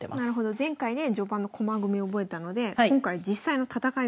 前回で序盤の駒組み覚えたので今回実際の戦い方なんですね。